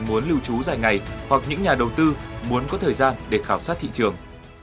muốn lưu trú dài ngày hoặc những nhà đầu tư muốn có thời gian để khảo sát thị trường